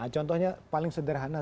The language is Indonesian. contohnya paling sederhana